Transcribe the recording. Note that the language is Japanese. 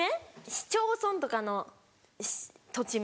市町村とかの土地名。